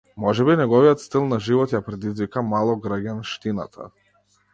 Можеби неговиот стил на живот ја предизвика малограѓанштината?